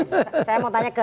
saya mau tanya ke